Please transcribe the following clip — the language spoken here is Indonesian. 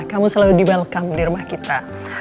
kamu selalu di welcome di rumah kita